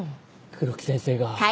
黒木先生が。